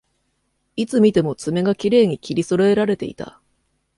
いつ見ても爪がきれいに切りそろえられていた